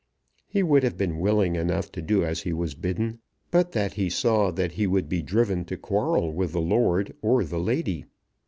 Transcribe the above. He would have been willing enough to do as he was bidden, but that he saw that he would be driven to quarrel with the lord or the lady.